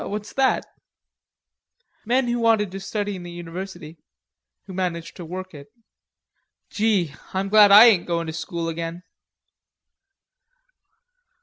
"What's that?" "Men who wanted to study in the university, who managed to work it." "Gee, I'm glad I ain't goin' to school again."